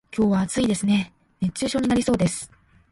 今日は暑いですね、熱中症になりそうです。